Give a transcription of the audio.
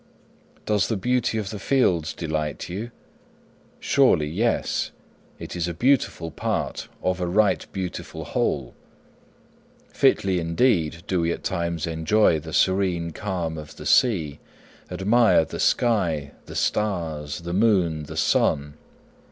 'Does the beauty of the fields delight you? Surely, yes; it is a beautiful part of a right beautiful whole. Fitly indeed do we at times enjoy the serene calm of the sea, admire the sky, the stars, the moon, the sun.